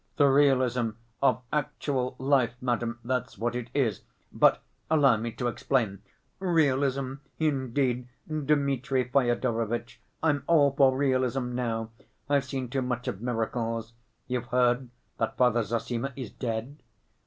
"The realism of actual life, madam, that's what it is. But allow me to explain—" "Realism indeed, Dmitri Fyodorovitch. I'm all for realism now. I've seen too much of miracles. You've heard that Father Zossima is dead?"